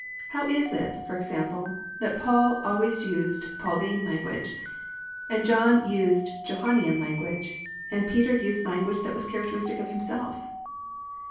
How is it, for example, that Paul always used Pauline language, and John used Johannean language, and Peter used language that was characteristic of himself?